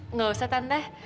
enggak usah tante